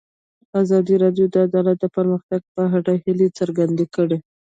ازادي راډیو د عدالت د پرمختګ په اړه هیله څرګنده کړې.